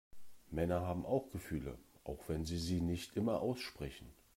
Männer haben auch Gefühle, auch wenn sie sie nicht immer aussprechen.